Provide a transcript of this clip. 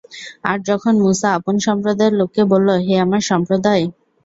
আর যখন মূসা আপন সম্প্রদায়ের লোককে বলল, হে আমার সম্প্রদায়!